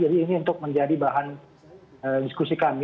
jadi ini untuk menjadi bahan diskusi kami